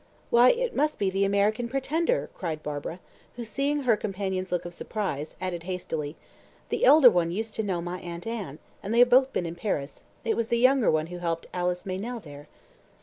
"Why, it must be the American pretender!" cried Barbara; who, seeing her companion's look of surprise, added hastily, "the elder one used to know my Aunt Anne, and they have both been in Paris; it was the younger one who helped Alice Meynell there."